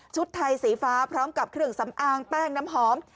ไทยสีฟ้าพร้อมกับเครื่องสำอางแป้งน้ำหอม